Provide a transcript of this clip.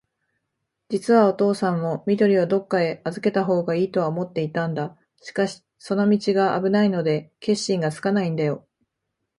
じつはおとうさんも、緑をどっかへあずけたほうがいいとは思っていたんだ。しかし、その道があぶないので、決心がつかないんだよ。